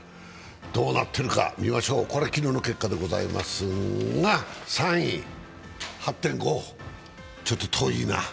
どうなってるか見ましょうこれ、昨日の結果でございますが３位、８．５、ちょっと遠いな。